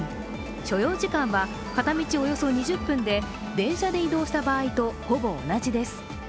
所要時間は片道およそ２０分で電車で移動した場合とほぼ同じです。